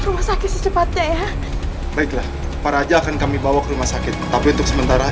rumah sakit secepatnya ya baiklah para aja akan kami bawa ke rumah sakit tapi untuk sementara